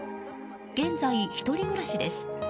現在１人暮らしです。